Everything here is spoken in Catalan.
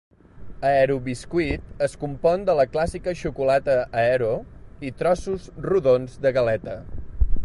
Aero Biscuit es compon de la clàssica xocolata Aero i trossos rodons de galeta.